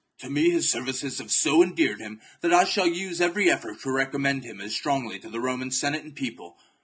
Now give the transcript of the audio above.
To me his services have so endeared him that I shall use every effort to recommend him as strongly to the Roman Senate and people.